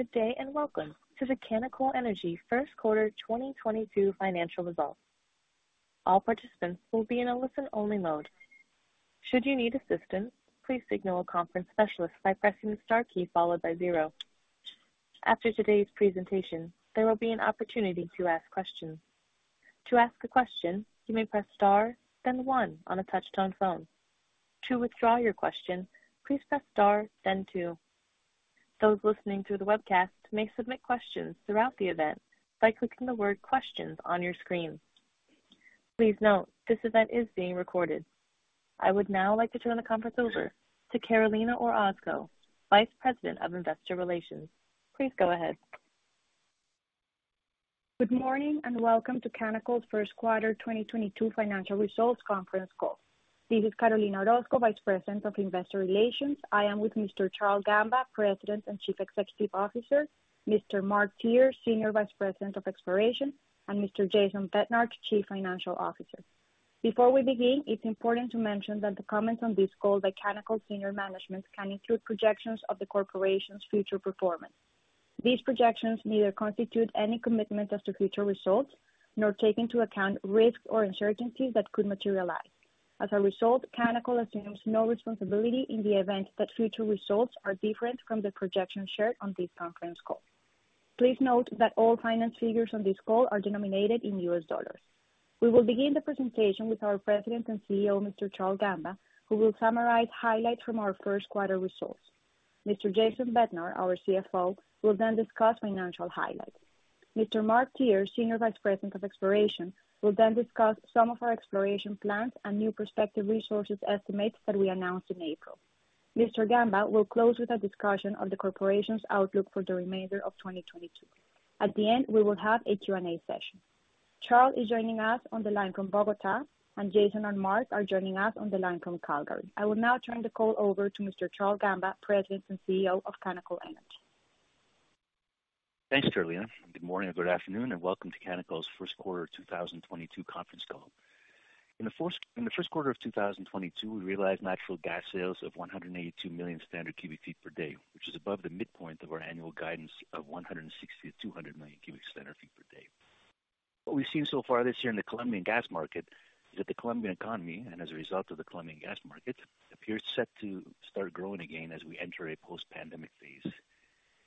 Good day, and welcome to the Canacol Energy Q1 2022 financial results. All participants will be in a listen only mode. Should you need assistance, please signal a conference specialist by pressing the star key followed by zero. After today's presentation, there will be an opportunity to ask questions. To ask a question, you may press star, then one on a touchtone phone. To withdraw your question, please press star, then two. Those listening through the webcast may submit questions throughout the event by clicking the word questions on your screen. Please note, this event is being recorded. I would now like to turn the conference over to Carolina Orozco, Vice President of Investor Relations. Please go ahead. Good morning and welcome to Canacol's Q1 2022 financial results conference call. This is Carolina Orozco, Vice President of Investor Relations. I am with Mr., President and Chief Executive Officer, Mr. Mark Teare, Senior Vice President of Exploration, and Mr. Jason Bednar, Chief Financial Officer. Before we begin, it's important to mention that the comments on this call by Canacol senior management can include projections of the corporation's future performance. These projections neither constitute any commitment as to future results, nor take into account risks or uncertainties that could materialize. As a result, Canacol assumes no responsibility in the event that future results are different from the projections shared on this conference call. Please note that all financial figures on this call are denominated in U.S. dollars. We will begin the presentation with our President and CEO, Mr. Charles Gamba, who will summarize highlights from our Q1 results. Mr. Jason Bednar, our CFO, will then discuss financial highlights. Mr. Mark Teare, Senior Vice President of Exploration, will then discuss some of our exploration plans and new prospective resources estimates that we announced in April. Mr. Gamba will close with a discussion of the corporation's outlook for the remainder of 2022. At the end, we will have a Q&A session. Charles is joining us on the line from Bogotá, and Jason and Mark are joining us on the line from Calgary. I will now turn the call over to Mr. Charles Gamba, President and CEO of Canacol Energy. Thanks, Carolina. Good morning or good afternoon, and welcome to Canacol's Q1 2022 conference call. In the Q1 of 2022, we realized natural gas sales of 182 million standard cubic feet per day, which is above the midpoint of our annual guidance of 160-200 million standard cubic feet per day. What we've seen so far this year in the Colombian gas market is that the Colombian economy and, as a result, the Colombian gas market appears set to start growing again as we enter a post-pandemic phase,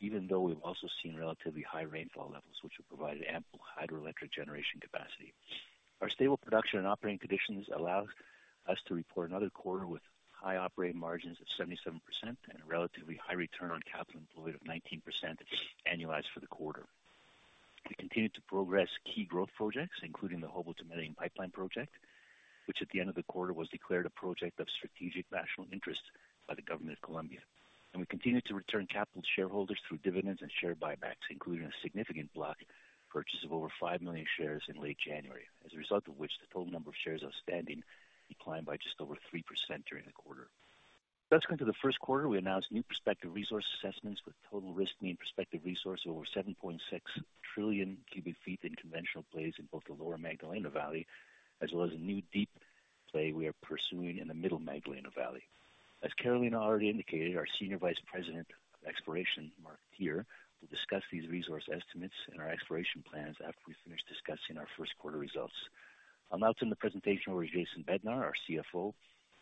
even though we've also seen relatively high rainfall levels, which have provided ample hydroelectric generation capacity. Our stable production and operating conditions allow us to report another quarter with high operating margins of 77% and a relatively high return on capital employed of 19% annualized for the quarter. We continued to progress key growth projects, including the Jobo to Medellín pipeline project, which at the end of the quarter was declared a project of strategic national interest by the government of Colombia. We continued to return capital to shareholders through dividends and share buybacks, including a significant block purchase of over five million shares in late January. As a result of which, the total number of shares outstanding declined by just over 3% during the quarter. In the Q1, we announced new prospective resource assessments with total risk mean prospective resource over 7.6 trillion cubic feet in conventional plays in both the lower Magdalena Valley as well as a new deep play we are pursuing in the middle Magdalena Valley. As Carolina already indicated, our Senior Vice President of Exploration, Mark Teare, will discuss these resource estimates and our exploration plans after we finish discussing our Q1 results. I'll now turn the presentation over to Jason Bednar, our CFO, who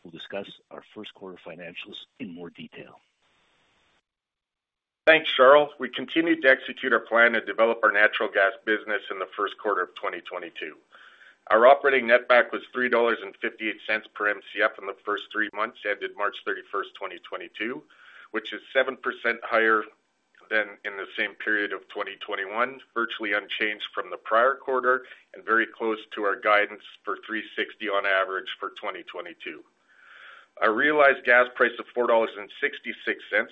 will discuss our Q1 financials in more detail. Thanks, Charles. We continued to execute our plan to develop our natural gas business in the Q1 of 2022. Our operating netback was $3.58 per Mcf in the first three months ended March 31st, 2022, which is 7% higher than in the same period of 2021, virtually unchanged from the prior quarter and very close to our guidance for $3.60 on average for 2022. Our realized gas price of $4.66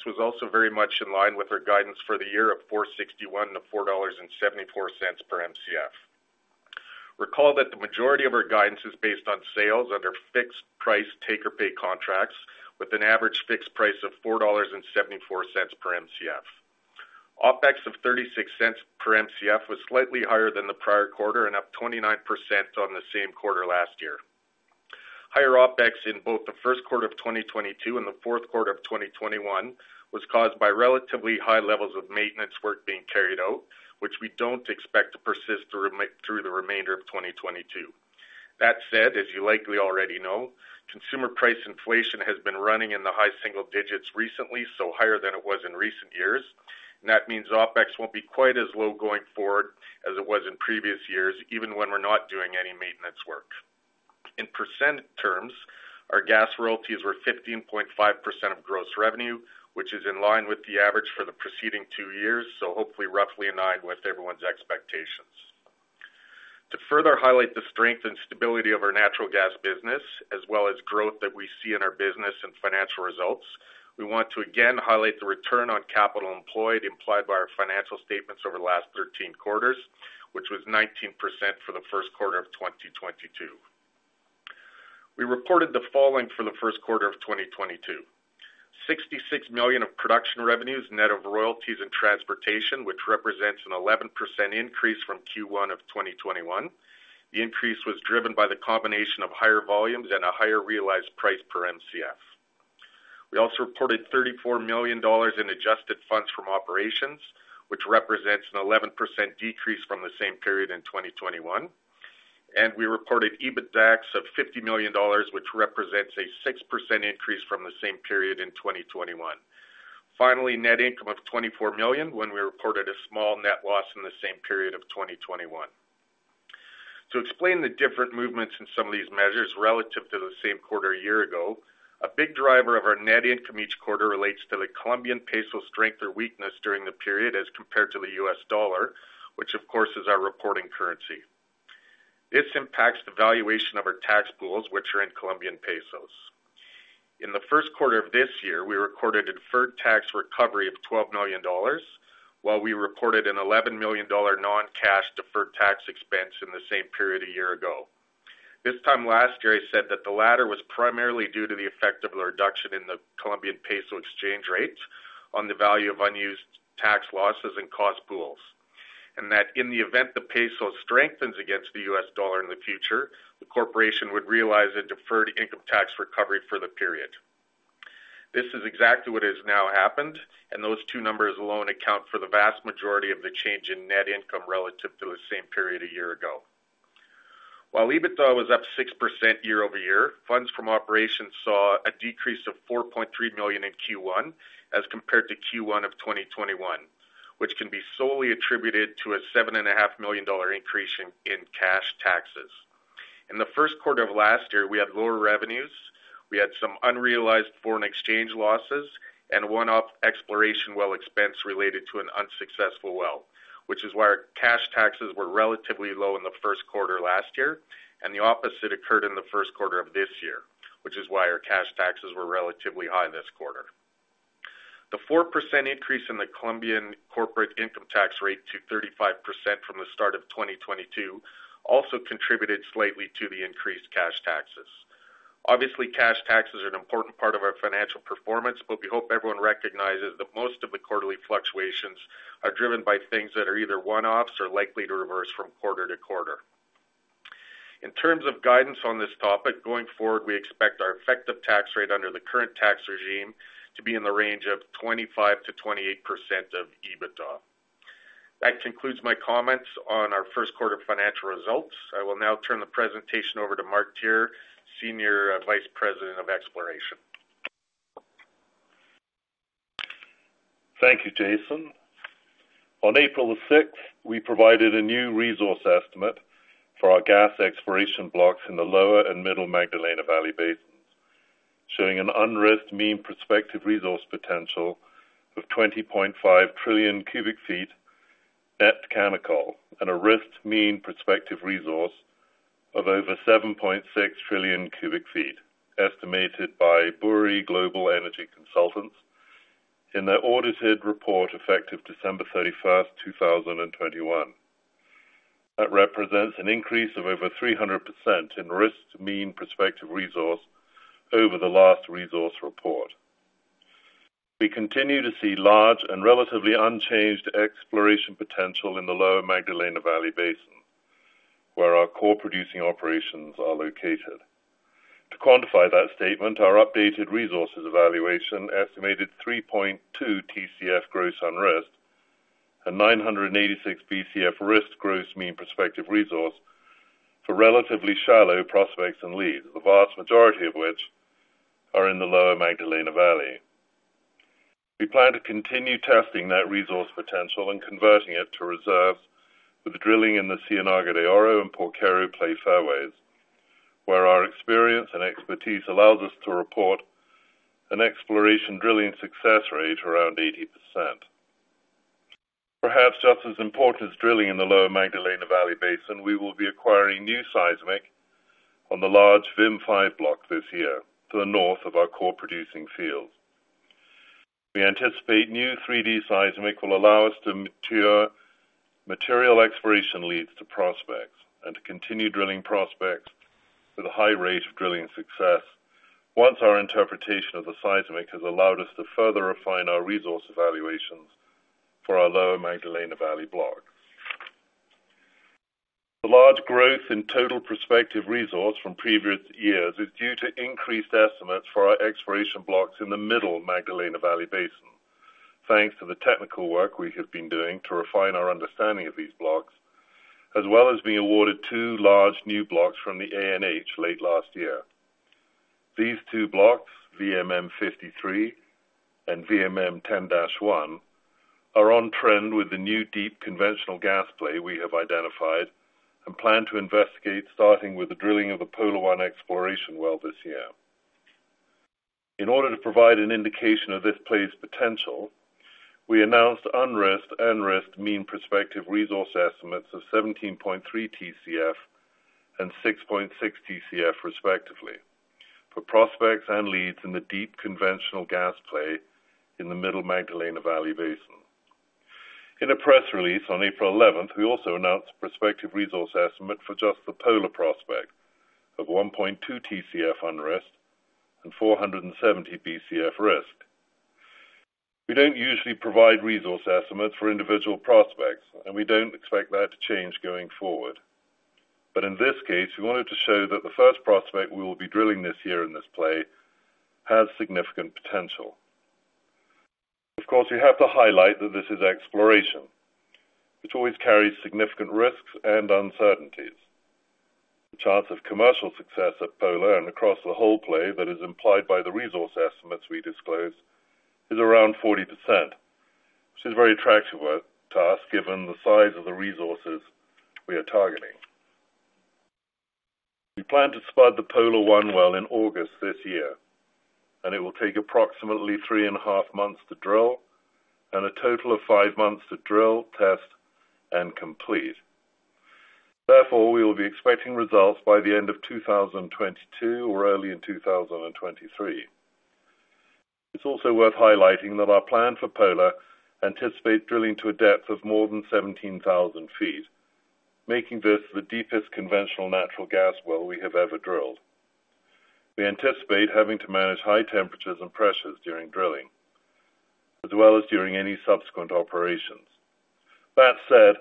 was also very much in line with our guidance for the year of $4.61-$4.74 per Mcf. Recall that the majority of our guidance is based on sales under fixed price take-or-pay contracts with an average fixed price of $4.74 per Mcf. OpEx of $0.36 per Mcf was slightly higher than the prior quarter and up 29% on the same quarter last year. Higher OpEx in both the Q1 of 2022 and the Q4 of 2021 was caused by relatively high levels of maintenance work being carried out, which we don't expect to persist through the remainder of 2022. That said, as you likely already know, consumer price inflation has been running in the high single digits recently, so higher than it was in recent years. That means OpEx won't be quite as low going forward as it was in previous years, even when we're not doing any maintenance work. In percent terms, our gas royalties were 15.5% of gross revenue, which is in line with the average for the preceding two years, so hopefully roughly in line with everyone's expectations. To further highlight the strength and stability of our natural gas business as well as growth that we see in our business and financial results, we want to again highlight the return on capital employed implied by our financial statements over the last 13 quarters, which was 19% for the Q1 of 2022. We reported the following for the Q1 of 2022. $66 million of production revenues net of royalties and transportation, which represents an 11% increase from Q1 of 2021. The increase was driven by the combination of higher volumes and a higher realized price per Mcf. We also reported $34 million in adjusted funds from operations, which represents an 11% decrease from the same period in 2021. We reported EBITDAX of $50 million, which represents a 6% increase from the same period in 2021. Finally, net income of $24 million when we reported a small net loss in the same period of 2021. To explain the different movements in some of these measures relative to the same quarter a year ago, a big driver of our net income each quarter relates to the Colombian peso strength or weakness during the period as compared to the U.S. dollar, which of course is our reporting currency. This impacts the valuation of our tax pools, which are in Colombian pesos. In the Q1 of this year, we recorded a deferred tax recovery of $12 million, while we reported an $11 million non-cash deferred tax expense in the same period a year ago. This time last year, I said that the latter was primarily due to the effect of the reduction in the Colombian peso exchange rates on the value of unused tax losses and cost pools, and that in the event the peso strengthens against the U.S. dollar in the future, the corporation would realize a deferred income tax recovery for the period. This is exactly what has now happened, and those two numbers alone account for the vast majority of the change in net income relative to the same period a year ago. While EBITDA was up 6% year-over-year, funds from operations saw a decrease of $4.3 million in Q1 as compared to Q1 of 2021, which can be solely attributed to a $7.5 million increase in cash taxes. In the Q1 of last year, we had lower revenues. We had some unrealized foreign exchange losses and one-off exploration well expense related to an unsuccessful well, which is why our cash taxes were relatively low in the Q1 last year, and the opposite occurred in the Q1 of this year, which is why our cash taxes were relatively high this quarter. The 4% increase in the Colombian corporate income tax rate to 35% from the start of 2022 also contributed slightly to the increased cash taxes. Obviously, cash taxes are an important part of our financial performance, but we hope everyone recognizes that most of the quarterly fluctuations are driven by things that are either one-offs or likely to reverse from quarter to quarter. In terms of guidance on this topic, going forward, we expect our effective tax rate under the current tax regime to be in the range of 25%-28% of EBITDA. That concludes my comments on our Q1 financial results. I will now turn the presentation over to Mark Teare, Senior Vice President of Exploration. Thank you, Jason. On April 6th, we provided a new resource estimate for our gas exploration blocks in the Lower and Middle Magdalena Valley Basins, showing an unrisked mean prospective resource potential of 20.5 trillion cubic feet net Canacol, and a risked mean prospective resource of over 7.6 trillion cubic feet, estimated by Boury Global Energy Consultants in their audited report effective December thirty-first, two thousand and twenty-one. That represents an increase of over 300% in risked mean prospective resource over the last resource report. We continue to see large and relatively unchanged exploration potential in the Lower Magdalena Valley Basin, where our core producing operations are located. To quantify that statement, our updated resources evaluation estimated 3.2 TCF gross unrisked and 986 BCF risked gross mean prospective resource for relatively shallow prospects and leads, the vast majority of which are in the lower Magdalena Valley. We plan to continue testing that resource potential and converting it to reserves with drilling in the Ciénaga de Oro and Porquero play fairways, where our experience and expertise allows us to report an exploration drilling success rate around 80%. Perhaps just as important as drilling in the lower Magdalena Valley Basin, we will be acquiring new seismic on the large VMM-45 block this year to the north of our core producing fields. We anticipate new 3D seismic will allow us to mature material exploration leads to prospects and to continue drilling prospects with a high rate of drilling success once our interpretation of the seismic has allowed us to further refine our resource evaluations for our lower Magdalena Valley blocks. The large growth in total prospective resource from previous years is due to increased estimates for our exploration blocks in the middle Magdalena Valley Basin, thanks to the technical work we have been doing to refine our understanding of these blocks, as well as being awarded two large new blocks from the ANH late last year. These two blocks, VMM-53 and VMM-10-1, are on trend with the new deep conventional gas play we have identified and plan to investigate, starting with the drilling of the Pola-1 exploration well this year. In order to provide an indication of this play's potential, we announced unrisked and risked mean prospective resource estimates of 17.3 TCF and 6.6 TCF respectively for prospects and leads in the deep conventional gas play in the middle Magdalena Valley Basin. In a press release on April 11, we also announced prospective resource estimate for just the Pola prospect of 1.2 TCF unrisked and 470 BCF risked. We don't usually provide resource estimates for individual prospects, and we don't expect that to change going forward. In this case, we wanted to show that the first prospect we will be drilling this year in this play has significant potential. Of course, we have to highlight that this is exploration, which always carries significant risks and uncertainties. The chance of commercial success at Pola and across the whole play that is implied by the resource estimates we disclose is around 40%, which is very attractive to us given the size of the resources we are targeting. We plan to spud the Pola-1 well in August this year, and it will take approximately three and a half months to drill and a total of five months to drill, test, and complete. Therefore, we will be expecting results by the end of 2022 or early in 2023. It's also worth highlighting that our plan for Pola anticipates drilling to a depth of more than 17,000 feet, making this the deepest conventional natural gas well we have ever drilled. We anticipate having to manage high temperatures and pressures during drilling, as well as during any subsequent operations. That said,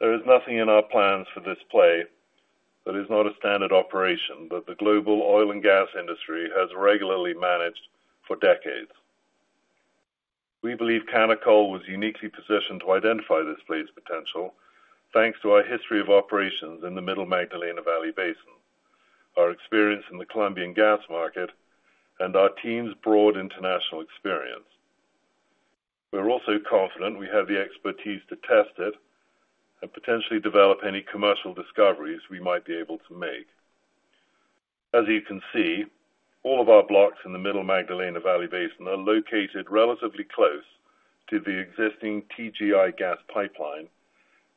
there is nothing in our plans for this play that is not a standard operation that the global oil and gas industry has regularly managed for decades. We believe Canacol was uniquely positioned to identify this play's potential, thanks to our history of operations in the Middle Magdalena Valley Basin, our experience in the Colombian gas market, and our team's broad international experience. We are also confident we have the expertise to test it and potentially develop any commercial discoveries we might be able to make. As you can see, all of our blocks in the Middle Magdalena Valley Basin are located relatively close to the existing TGI gas pipeline,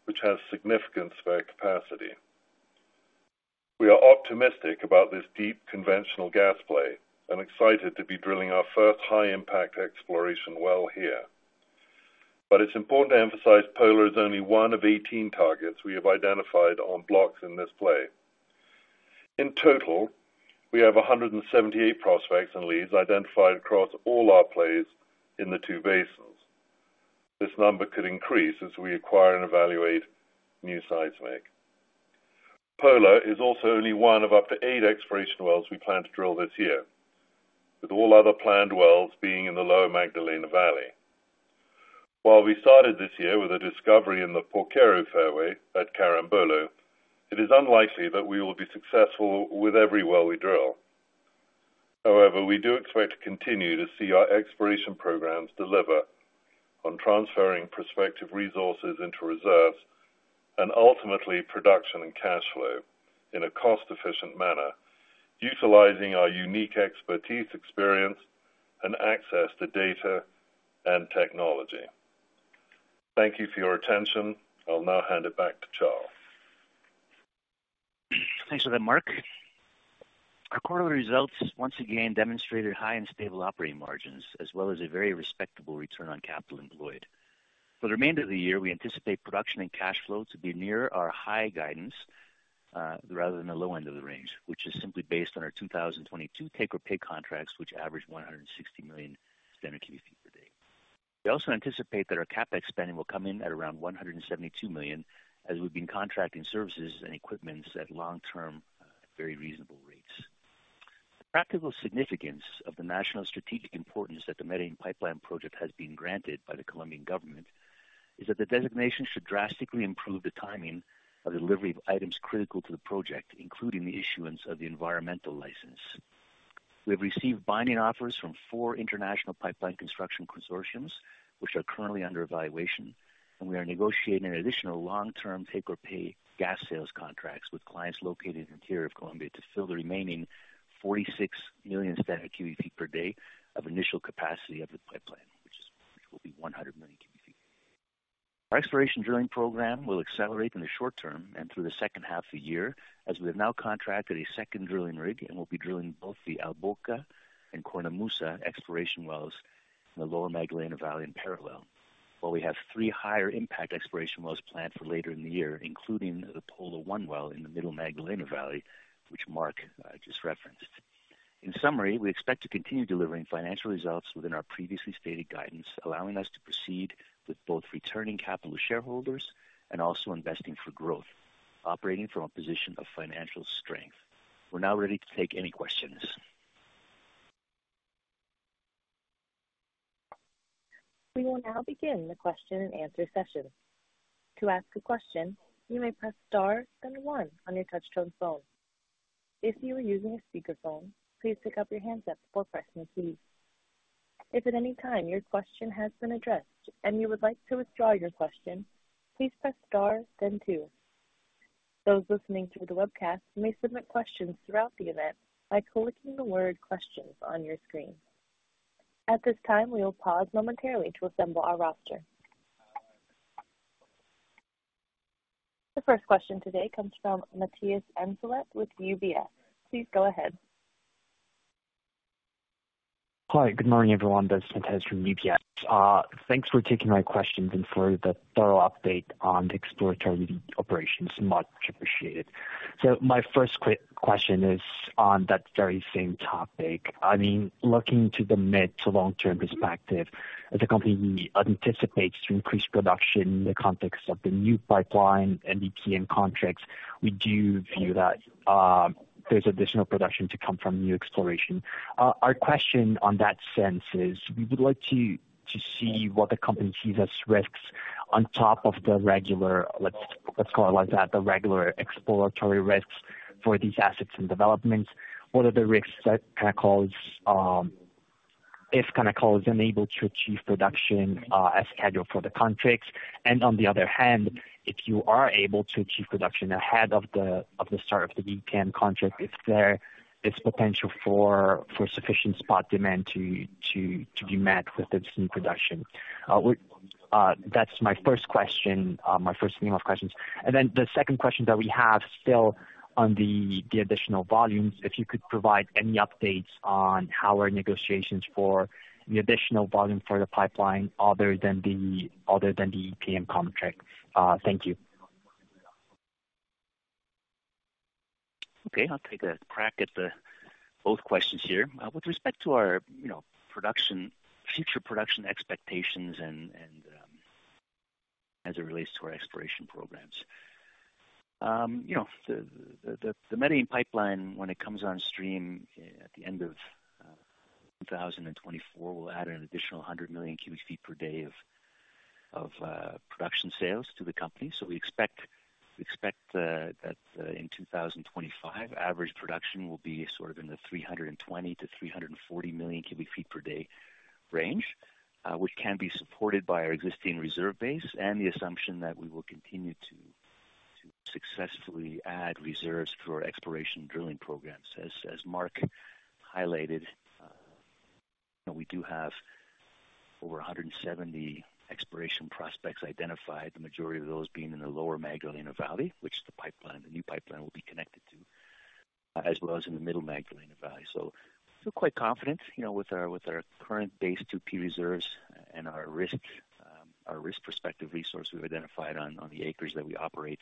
which has significant spare capacity. We are optimistic about this deep conventional gas play and excited to be drilling our first high-impact exploration well here. It's important to emphasize Pola is only one of 18 targets we have identified on blocks in this play. In total, we have 178 prospects and leads identified across all our plays in the two basins. This number could increase as we acquire and evaluate new seismic. Pola is also only one of up to eight exploration wells we plan to drill this year, with all other planned wells being in the Lower Magdalena Valley. While we started this year with a discovery in the Porquero fairway at Carambolo, it is unlikely that we will be successful with every well we drill. However, we do expect to continue to see our exploration programs deliver on transferring prospective resources into reserves and ultimately production and cash flow in a cost-efficient manner, utilizing our unique expertise, experience, and access to data and technology. Thank you for your attention. I'll now hand it back to Charles. Thanks for that, Mark. Our quarterly results once again demonstrated high and stable operating margins, as well as a very respectable return on capital employed. For the remainder of the year, we anticipate production and cash flow to be near our high guidance, rather than the low end of the range, which is simply based on our 2022 take-or-pay contracts, which average 160 million standard cubic feet per day. We also anticipate that our CapEx spending will come in at around $172 million, as we've been contracting services and equipment at long term, very reasonable rates. The practical significance of the national strategic importance that the Medellín pipeline project has been granted by the Colombian government is that the designation should drastically improve the timing of delivery of items critical to the project, including the issuance of the environmental license. We have received binding offers from four international pipeline construction consortiums, which are currently under evaluation, and we are negotiating an additional long-term take-or-pay gas sales contracts with clients located in the interior of Colombia to fill the remaining 46 million standard cubic feet per day of initial capacity of the pipeline, which will be 100 million cubic feet. Our exploration drilling program will accelerate in the short term and through the second half of the year, as we have now contracted a second drilling rig and will be drilling both the El Boca and Cornamusa exploration wells in the Lower Magdalena Valley in parallel. While we have three higher impact exploration wells planned for later in the year, including the Pola-1 well in the Middle Magdalena Valley, which Mark just referenced. In summary, we expect to continue delivering financial results within our previously stated guidance, allowing us to proceed with both returning capital to shareholders and also investing for growth, operating from a position of financial strength. We're now ready to take any questions. We will now begin the question-and-answer session. To ask a question, you may press star then one on your touchtone phone. If you are using a speakerphone, please pick up your handset before pressing a key. If at any time your question has been addressed and you would like to withdraw your question, please press star then two. Those listening through the webcast may submit questions throughout the event by clicking the word Questions on your screen. At this time, we will pause momentarily to assemble our roster. The first question today comes from Matthias Enzenhofer with UBS. Please go ahead. Hi, good morning, everyone. That's Matthias from UBS. Thanks for taking my questions and for the thorough update on the exploratory operations. Much appreciated. My first question is on that very same topic. I mean, looking to the mid to long-term perspective, as the company anticipates to increase production in the context of the new pipeline and EPM contracts, we do view that, there's additional production to come from new exploration. Our question on that sense is, we would like to see what the company sees as risks on top of the regular, let's call it like that, the regular exploratory risks for these assets and developments. What are the risks that Canacol is, if Canacol is unable to achieve production, as scheduled for the contracts? And on the other hand, if you are able to achieve production ahead of the start of the EPM contract, if there is potential for sufficient spot demand to be met with this new production. That's my first question, my first set of questions. Then the second question that we have still on the additional volumes, if you could provide any updates on how are negotiations for the additional volume for the pipeline other than the EPM contract. Thank you. Okay. I'll take a crack at the both questions here. With respect to our, you know, production, future production expectations and as it relates to our exploration programs. You know, the Medellín pipeline, when it comes on stream at the end of 2024, we'll add an additional 100 million cubic feet per day of production sales to the company. We expect that in 2025, average production will be sort of in the 320-340 million cubic feet per day range, which can be supported by our existing reserve base and the assumption that we will continue to successfully add reserves through our exploration drilling programs. As Mark highlighted, you know, we do have over 170 exploration prospects identified, the majority of those being in the Lower Magdalena Valley, which the pipeline, the new pipeline will be connected to, as well as in the Middle Magdalena Valley. Feel quite confident, you know, with our current 2P reserves and our risked prospective resource we've identified on the acres that we operate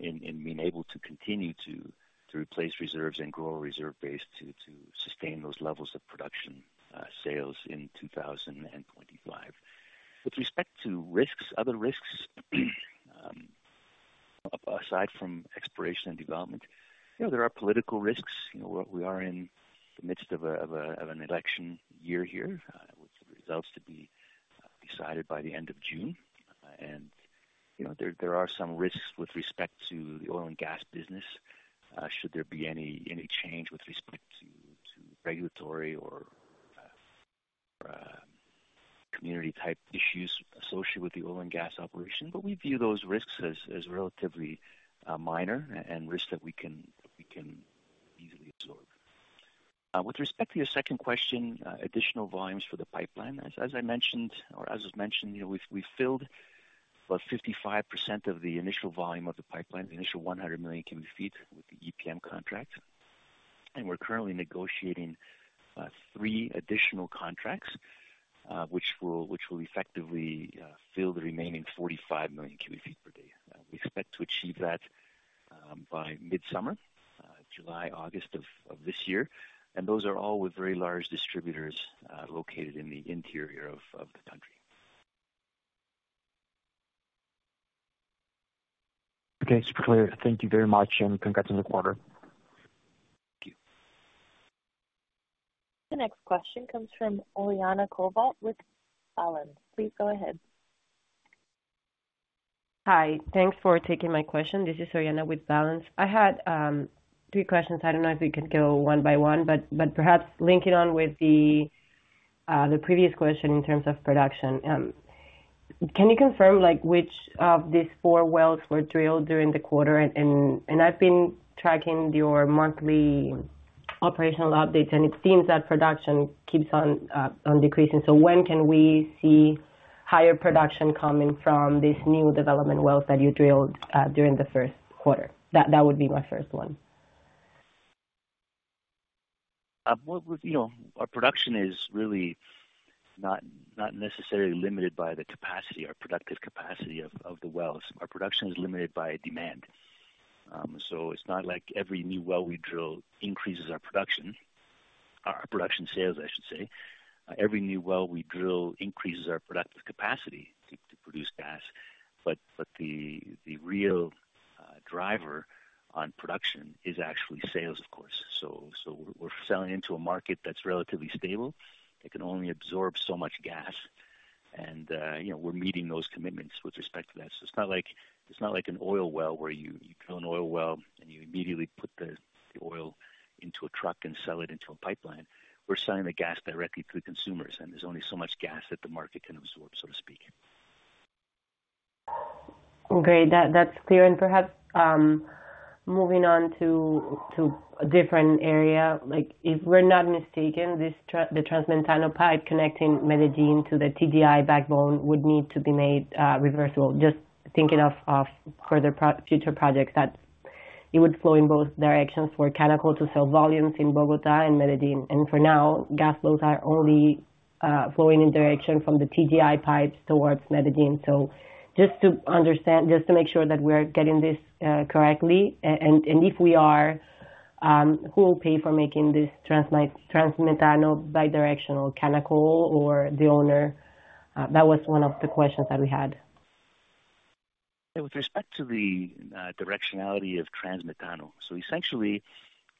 in being able to continue to replace reserves and grow reserve base to sustain those levels of production, sales in 2025. With respect to risks, other risks aside from exploration and development, you know, there are political risks. You know, we are in the midst of an election year here, with the results to be decided by the end of June. You know, there are some risks with respect to the oil and gas business, should there be any change with respect to regulatory or community type issues associated with the oil and gas operation. We view those risks as relatively minor and risks that we can easily absorb. With respect to your second question, additional volumes for the pipeline. As I mentioned or as is mentioned, you know, we've filled about 55% of the initial volume of the pipeline, the initial 100 million cubic feet with the EPM contract. We're currently negotiating three additional contracts, which will effectively fill the remaining 45 million cubic feet per day. We expect to achieve that by mid-summer, July, August of this year. Those are all with very large distributors located in the interior of the country. Okay, super clear. Thank you very much, and congrats on the quarter. Thank you. The next question comes from Oriana Covault with Balanz. Please go ahead. Hi. Thanks for taking my question. This is Oriana with Balanz. I had three questions. I don't know if we could go one by one, but perhaps linking on with the previous question in terms of production. Can you confirm, like, which of these four wells were drilled during the quarter? I've been tracking your monthly operational updates, and it seems that production keeps on decreasing. So when can we see higher production coming from this new development wells that you drilled during the Q1? That would be my first one. You know, our production is really not necessarily limited by the capacity or productive capacity of the wells. Our production is limited by demand. It's not like every new well we drill increases our production. Our production sales, I should say. Every new well we drill increases our productive capacity to produce gas. The real driver on production is actually sales, of course. We're selling into a market that's relatively stable. They can only absorb so much gas. You know, we're meeting those commitments with respect to that. It's not like an oil well where you drill an oil well, and you immediately put the oil into a truck and sell it into a pipeline. We're selling the gas directly to the consumers, and there's only so much gas that the market can absorb, so to speak. Okay. That's clear. Perhaps moving on to a different area, like, if we're not mistaken, the Transmetano pipe connecting Medellín to the TGI backbone would need to be made reversible. Just thinking of future projects that it would flow in both directions for Canacol to sell volumes in Bogotá and Medellín. For now, gas flows are only flowing in one direction from the TGI pipes towards Medellín. Just to understand, just to make sure that we're getting this correctly, and if we are, who will pay for making this Transmetano bi-directional, Canacol or the owner? That was one of the questions that we had. With respect to the directionality of Transmetano. Essentially,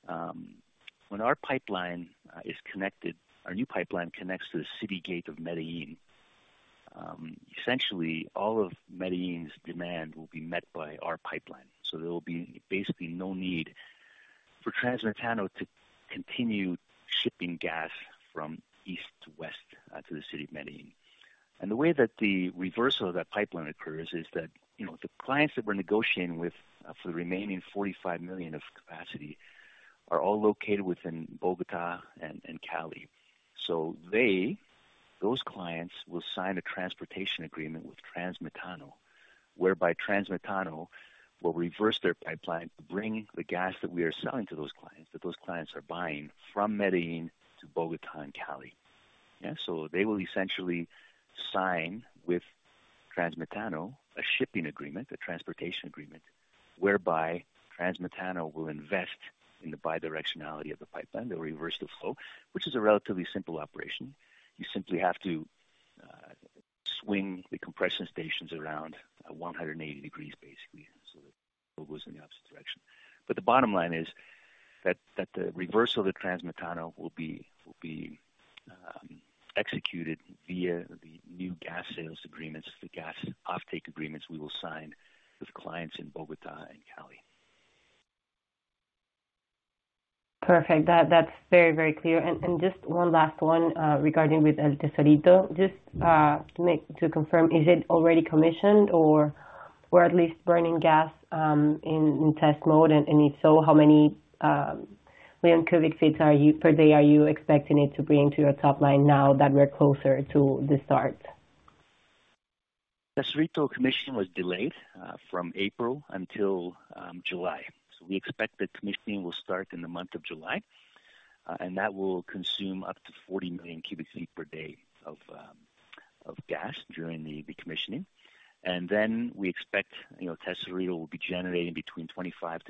when our pipeline is connected, our new pipeline connects to the city gate of Medellín. Essentially, all of Medellín's demand will be met by our pipeline. There will be basically no need for Transmetano to continue shipping gas from east to west to the city of Medellín. The way that the reversal of that pipeline occurs is that, you know, the clients that we're negotiating with for the remaining 45 million of capacity are all located within Bogotá and Cali. They, those clients will sign a transportation agreement with Transmetano, whereby Transmetano will reverse their pipeline to bring the gas that we are selling to those clients, that those clients are buying from Medellín to Bogotá and Cali. Yeah, they will essentially sign with Transmetano a shipping agreement, a transportation agreement, whereby Transmetano will invest in the bi-directionality of the pipeline. They will reverse the flow, which is a relatively simple operation. You simply have to swing the compression stations around 180 degrees, basically, so that it goes in the opposite direction. The bottom line is that the reverse of the Transmetano will be executed via the new gas sales agreements, the gas offtake agreements we will sign with clients in Bogotá and Cali. Perfect. That's very clear. Just one last one regarding El Tesorito. To confirm, is it already commissioned or at least burning gas in test mode? If so, how many million cubic feet per day are you expecting it to bring to your top line now that we're closer to the start? Tesorito commissioning was delayed from April until July. We expect that commissioning will start in the month of July. That will consume up to 40 million cubic feet per day of gas during the commissioning. Then we expect, you know, Tesorito will be generating between 25%-50%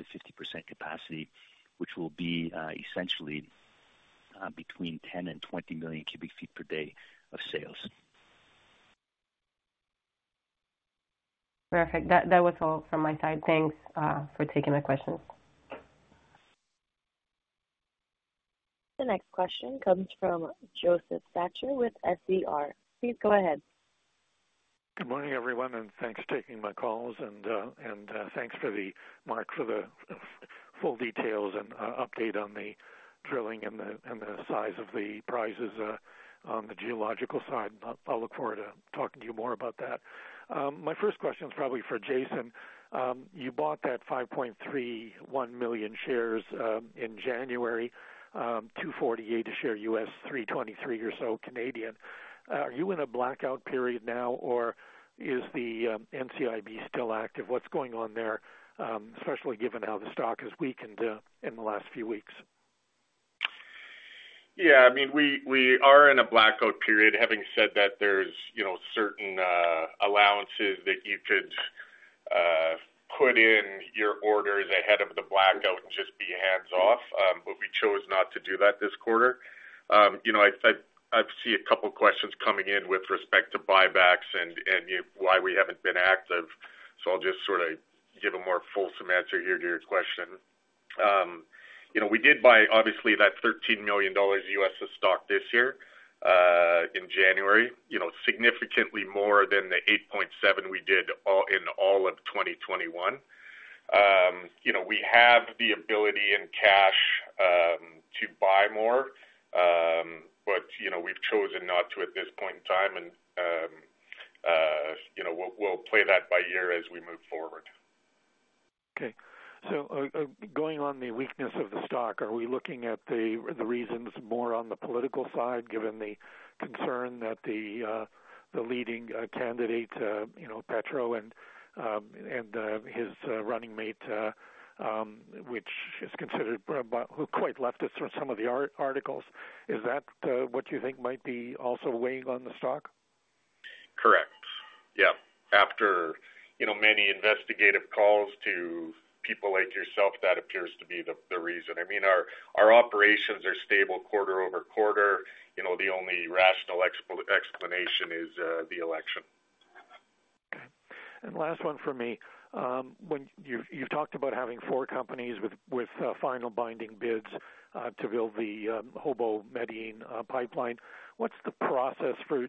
capacity, which will be essentially between 10 million and 20 million cubic feet per day of sales. Perfect. That was all from my side. Thanks for taking my questions. The next question comes from Josef Schachter with SER. Please go ahead. Good morning, everyone, and thanks for taking my calls. Thanks to Mark for the full details and update on the drilling and the size of the prizes on the geological side. I'll look forward to talking to you more about that. My first question is probably for Jason. You bought that 5.31 million shares in January, $2.48 a share, U.S. 3.23 or so Canadian. Are you in a blackout period now, or is the NCIB still active? What's going on there? Especially given how the stock has weakened in the last few weeks. Yeah, I mean, we are in a blackout period. Having said that, there's you know certain allowances that you could put in your orders ahead of the blackout and just be hands-off. We chose not to do that this quarter. You know, I've seen a couple questions coming in with respect to buybacks and why we haven't been active. I'll just sort of give a more fulsome answer here to your question. You know, we did buy obviously that $13 million of stock this year in January, you know, significantly more than the $8.7 million we did in all of 2021. You know, we have the ability and cash to buy more. We've chosen not to at this point in time. You know, we'll play that by ear as we move forward. Okay, going on the weakness of the stock, are we looking at the reasons more on the political side, given the concern that the leading candidate, you know, Petro and his running mate, which is considered quite leftist from some of the articles? Is that what you think might be also weighing on the stock? Correct. Yeah. After, you know, many investigative calls to people like yourself, that appears to be the reason. I mean, our operations are stable quarter-over-quarter. You know, the only rational explanation is the election. Okay. Last one for me. When you've talked about having four companies with final binding bids to build the Jobo-Medellín pipeline. What's the process for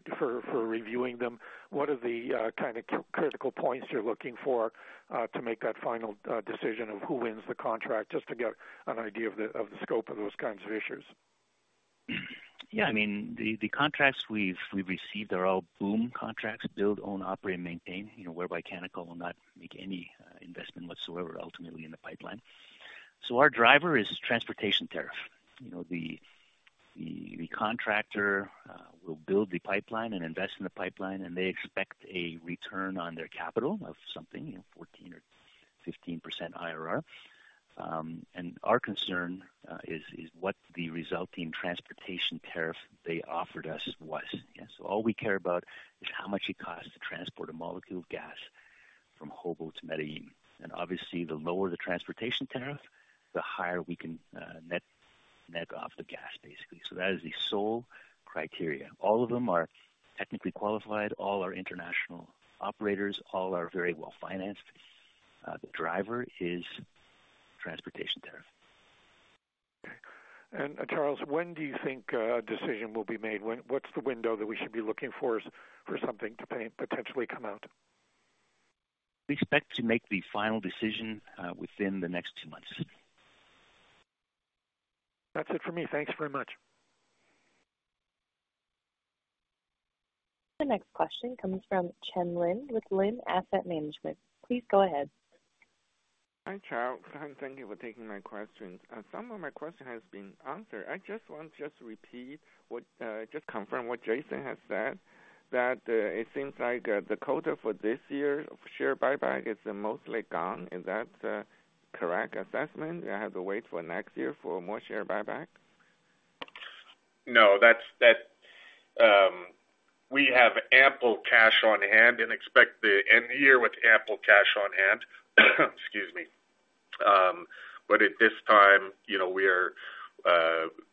reviewing them? What are the kind of critical points you're looking for to make that final decision of who wins the contract? Just to get an idea of the scope of those kinds of issues. Yeah, I mean, the contracts we've received are all BOOM contracts, build, own, operate, and maintain. You know, whereby Canacol will not make any investment whatsoever ultimately in the pipeline. Our driver is transportation tariff. You know, the contractor will build the pipeline and invest in the pipeline, and they expect a return on their capital of something, you know, 14% or 15% IRR. Our concern is what the resulting transportation tariff they offered us was. Yeah, all we care about is how much it costs to transport a molecule of gas from Jobo to Medellín. Obviously, the lower the transportation tariff, the higher we can net off the gas, basically. That is the sole criteria. All of them are technically qualified. All are international operators. All are very well-financed. The driver is transportation tariff. Okay, Charles, when do you think a decision will be made? What's the window that we should be looking for for something to potentially come out? We expect to make the final decision within the next two months. That's it for me. Thanks very much. The next question comes from Chen Lin with Lin Asset Management. Please go ahead. Hi, Charles. Thank you for taking my questions. Some of my question has been answered. I just want to confirm what Jason has said, that it seems like the quota for this year of share buyback is mostly gone. Is that the correct assessment? I have to wait for next year for more share buyback? No, that's. We have ample cash on hand and expect to end the year with ample cash on hand. Excuse me. At this time, you know, we are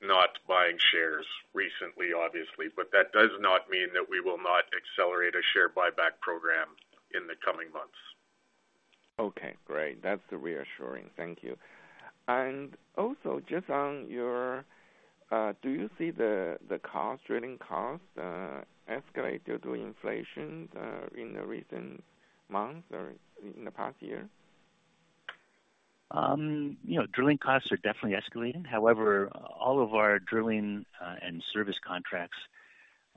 not buying shares recently, obviously. That does not mean that we will not accelerate a share buyback program in the coming months. Okay, great. That's reassuring. Thank you. Also, just on your, do you see the cost, drilling costs, escalate due to inflation in the recent months or in the past year? You know, drilling costs are definitely escalating. However, all of our drilling, and service contracts,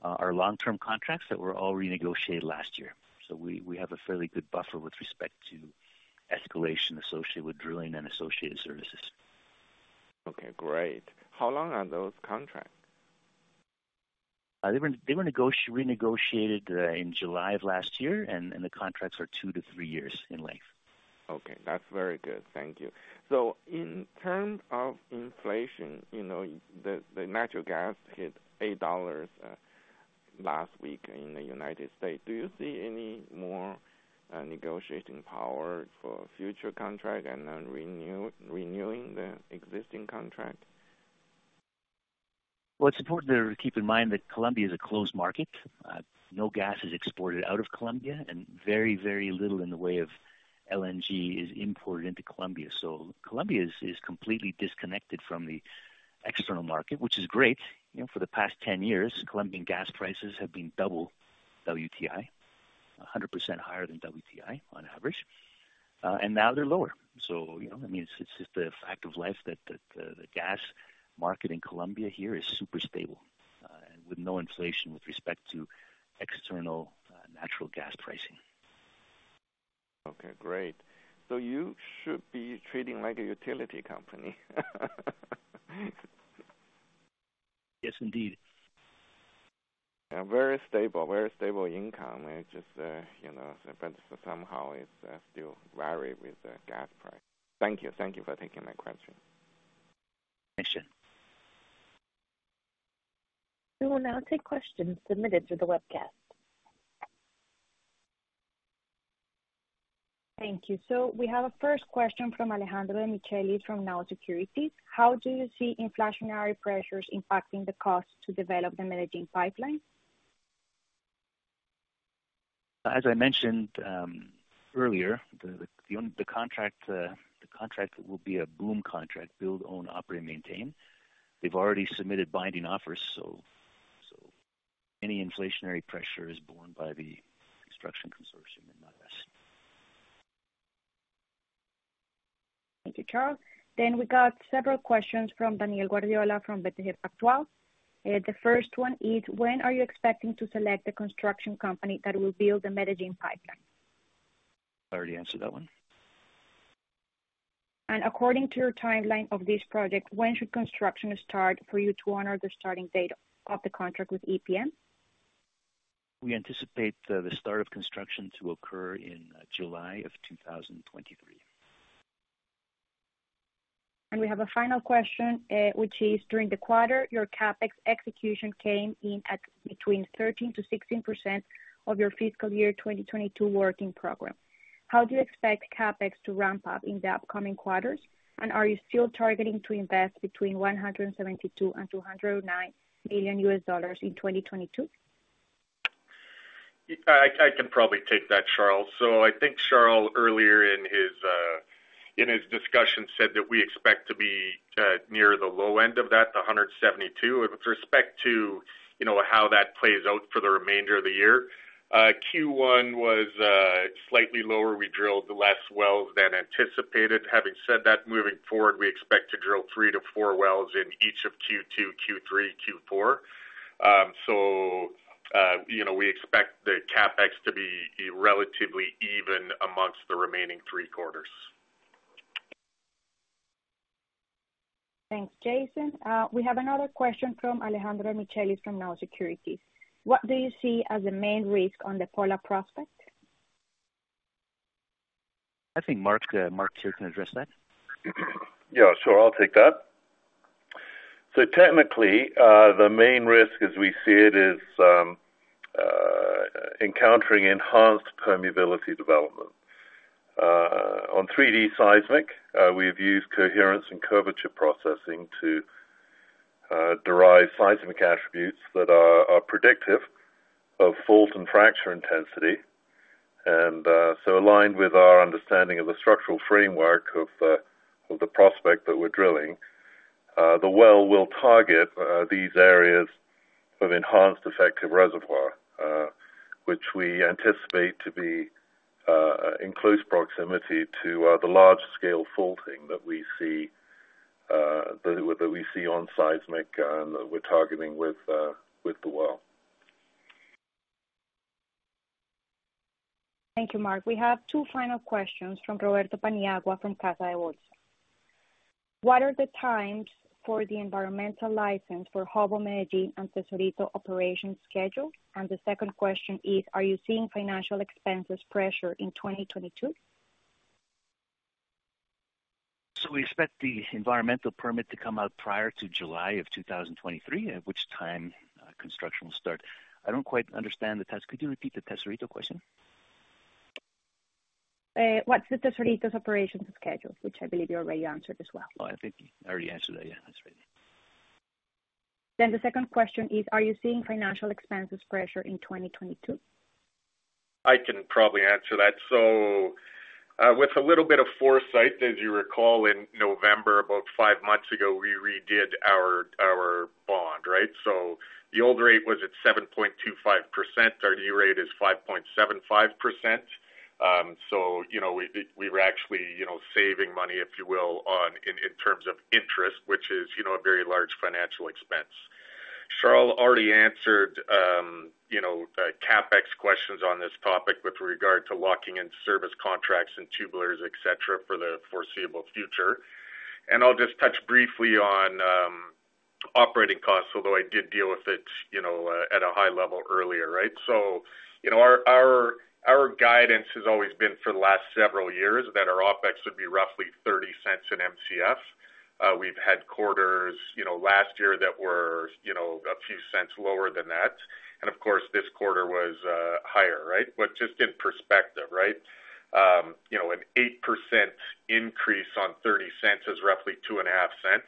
are long-term contracts that were all renegotiated last year. We have a fairly good buffer with respect to escalation associated with drilling and associated services. Okay, great. How long are those contracts? They were renegotiated in July of last year, and the contracts are two-three years in length. Okay, that's very good. Thank you. In terms of inflation, you know, the natural gas hit $8 last week in the United States. Do you see any more negotiating power for future contract and then renewing the existing contract? Well, it's important to keep in mind that Colombia is a closed market. No gas is exported out of Colombia, and very, very little in the way of LNG is imported into Colombia. Colombia is completely disconnected from the external market, which is great. You know, for the past 10 years, Colombian gas prices have been double WTI, 100% higher than WTI on average. And now they're lower. You know, I mean, it's just a fact of life that the gas market in Colombia here is super stable, and with no inflation with respect to external natural gas pricing. Okay, great. You should be trading like a utility company. Yes, indeed. A very stable income. It's just, you know, but somehow it's still varies with the gas price. Thank you. Thank you for taking my question. We will now take questions submitted through the webcast. Thank you. We have a first question from Alejandro Micheli from Now Securities. How do you see inflationary pressures impacting the cost to develop the Medellín pipeline? As I mentioned earlier, the contract will be a BOOM contract, build, own, operate, and maintain. They've already submitted binding offers, so any inflationary pressure is borne by the construction consortium and not us. Thank you, Charle. We got several questions from Daniel Guardiola from BTG Pactual. The first one is, when are you expecting to select the construction company that will build the Medellín pipeline? I already answered that one. According to your timeline of this project, when should construction start for you to honor the starting date of the contract with EPM? We anticipate the start of construction to occur in July of 2023. We have a final question, which is during the quarter, your CapEx execution came in at between 13%-16% of your fiscal year 2022 working program. How do you expect CapEx to ramp up in the upcoming quarters? Are you still targeting to invest between $172 million and $209 million in 2022? Yeah, I can probably take that, Charle. I think Charle, earlier in his discussion, said that we expect to be near the low end of that, the $172. With respect to, you know, how that plays out for the remainder of the year, Q1 was slightly lower. We drilled less wells than anticipated. Having said that, moving forward, we expect to drill three-four wells in each of Q2, Q3, Q4. You know, we expect the CapEx to be relatively even among the remaining three quarters. Thanks, Jason. We have another question from Alejandro Micheli from Now Securities. What do you see as the main risk on the Pola prospect? I think Mark here can address that. Yeah, sure. I'll take that. Technically, the main risk as we see it is encountering enhanced permeability development. On 3D seismic, we've used coherence and curvature processing to derive seismic attributes that are predictive of fault and fracture intensity. Aligned with our understanding of the structural framework of the prospect that we're drilling, the well will target these areas of enhanced effective reservoir, which we anticipate to be in close proximity to the large-scale faulting that we see on seismic and that we're targeting with the well. Thank you, Mark. We have two final questions from Roberto Paniagua from Casa de Bolsa. What are the timelines for the environmental license for Hobo Medellín and Tesorito operation schedule? The second question is, are you seeing financial expenses pressure in 2022? We expect the environmental permit to come out prior to July 2023, at which time, construction will start. I don't quite understand the test. Could you repeat the Tesorito question? What's the Tesorito's operations schedule, which I believe you already answered as well? Oh, I think I already answered that. Yeah, that's right. The second question is, are you seeing financial expenses pressure in 2022? I can probably answer that. With a little bit of foresight, as you recall, in November, about five months ago, we redid our bond, right? The old rate was at 7.25%. Our new rate is 5.75%. You know, we're actually, you know, saving money, if you will, on, in terms of interest, which is, you know, a very large financial expense. Charles already answered the CapEx questions on this topic with regard to locking in service contracts and tubulars, et cetera, for the foreseeable future. I'll just touch briefly on operating costs, although I did deal with it, you know, at a high level earlier, right? Our guidance has always been for the last several years that our OpEx would be roughly $0.30/Mcf. We've had quarters last year that were a few cents lower than that. Of course, this quarter was higher, right? Just in perspective, right? An 8% increase on 30 cents is roughly $0.025.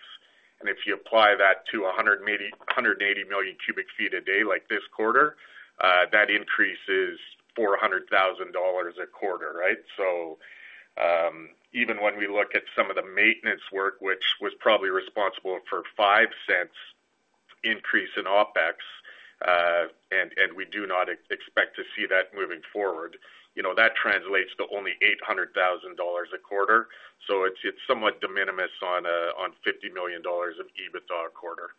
If you apply that to 180 million cubic feet a day like this quarter, that increase is $400,000 a quarter, right? Even when we look at some of the maintenance work, which was probably responsible for $0.05 increase in OpEx, we do not expect to see that moving forward. You know, that translates to only $800,000 a quarter. It's somewhat de minimis on $50 million of EBITDA a quarter.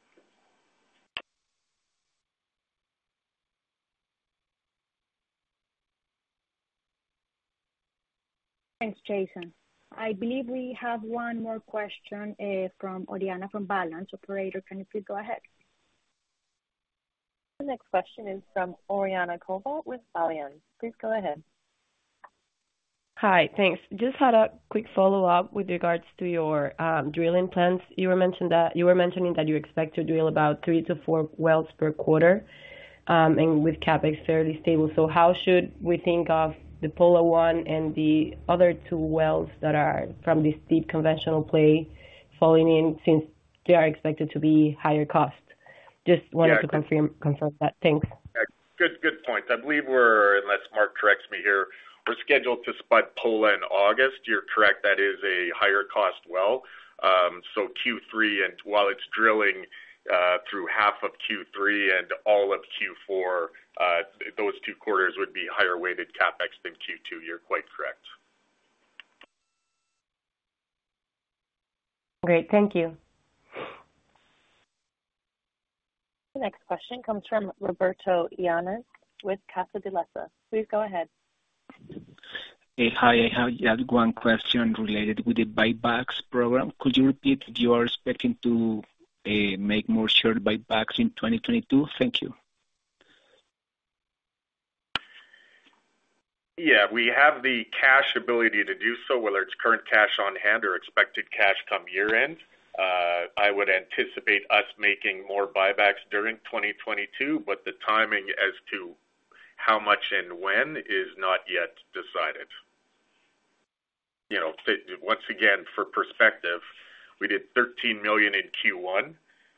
Thanks, Jason. I believe we have one more question from Oriana, from Balanz. Operator, can you please go ahead? The next question is from Oriana Covault with Balanz. Please go ahead. Just had a quick follow-up with regards to your drilling plans. You were mentioning that you expect to drill about three-four wells per quarter, and with CapEx fairly stable. How should we think of the Pola-1 and the other two wells that are from this deep conventional play falling in since they are expected to be higher cost? Just wanted to confirm that. Thanks. Good points. I believe, unless Mark corrects me here, we're scheduled to spud Pola in August. You're correct, that is a higher cost well. Q3, and while it's drilling through half of Q3 and all of Q4, those two quarters would be higher weighted CapEx than Q2. You're quite correct. Great. Thank you. The next question comes from Roberto Paniagua with Casa de Bolsa. Please go ahead. Hey. Hi. I have just one question related with the buybacks program. Could you repeat you are expecting to make more share buybacks in 2022? Thank you. Yeah. We have the capability to do so, whether it's current cash on hand or expected cash at year-end. I would anticipate us making more buybacks during 2022, but the timing as to how much and when is not yet decided. You know, once again, for perspective, we did $13 million in Q1.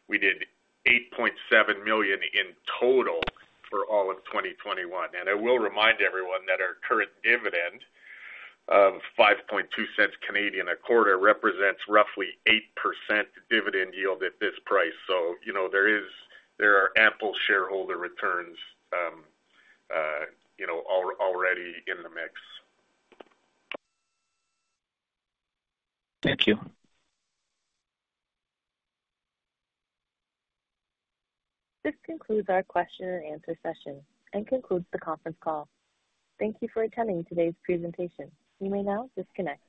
We did $8.7 million in total for all of 2021. I will remind everyone that our current dividend of 0.052 a quarter represents roughly 8% dividend yield at this price. You know, there are ample shareholder returns already in the mix. Thank you. This concludes our question and answer session and concludes the conference call. Thank you for attending today's presentation. You may now disconnect.